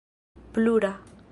plura